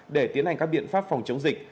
để tiến hành các biện pháp phòng chống dịch